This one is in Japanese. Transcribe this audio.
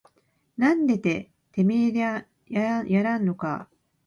なんだててめぇややんのかぁ